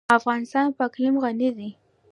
افغانستان په اقلیم غني دی.